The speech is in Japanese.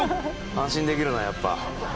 安心できるなやっぱ。